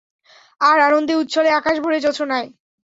আর আনন্দে উচ্ছলে আকাশ ভরে জোছনায়!